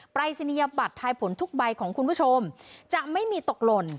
รายศนียบัตรทายผลทุกใบของคุณผู้ชมจะไม่มีตกหล่น